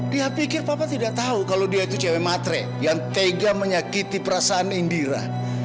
dia pikir papa tidak tahu kalau dia itu cewek matre yang tega menyakiti perasaan indira